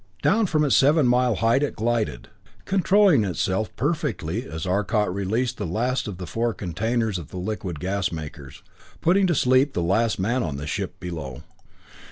Down from its seven mile height it glided, controlling itself perfectly as Arcot released the last of the first four containers of the liquid gas makers, putting to sleep the last man on the ship below.